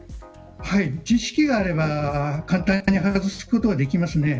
知識があれば簡単に外すことはできます。